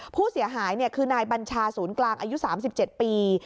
ผู้เสียหายคือนายบัญชาศูนย์กลางอายุ๓๗ปี